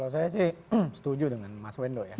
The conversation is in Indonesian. kalau saya sih setuju dengan mas wendo ya